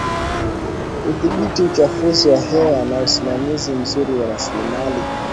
Kudhibiti uchafuzi wa hewa na usimamizi mzuri wa rasilimali